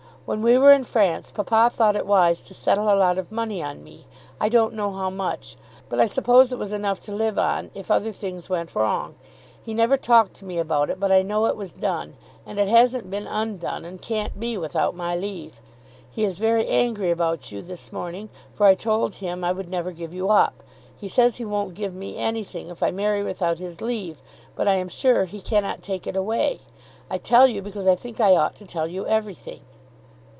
When we were in France papa thought it wise to settle a lot of money on me. I don't know how much, but I suppose it was enough to live on if other things went wrong. He never talked to me about it, but I know it was done. And it hasn't been undone, and can't be without my leave. He is very angry about you this morning, for I told him I would never give you up. He says he won't give me anything if I marry without his leave. But I am sure he cannot take it away. I tell you, because I think I ought to tell you everything.